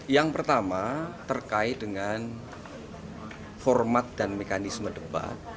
yang pertama terkait dengan format dan mekanisme debat